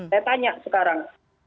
saya tanya sekarang